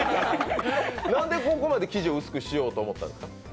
なんでここまで生地を薄くしようと思ったんですか？